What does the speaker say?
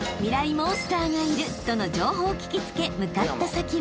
モンスターがいるとの情報を聞き付け向かった先は］